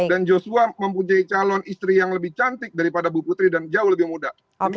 dan yosua mempunyai calon istri yang lebih cantik daripada ibu putri dan jauh lebih muda